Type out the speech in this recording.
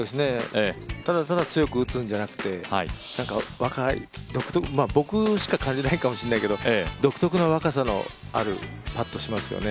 ただただ強く打つんじゃなくて若い、独特の、僕しか感じないかもしれないけど独特の若さのあるパットしますよね。